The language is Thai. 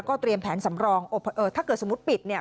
เตรียมแผนสำรองถ้าเกิดสมมุติปิดเนี่ย